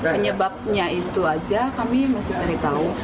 penyebabnya itu aja kami masih ceritau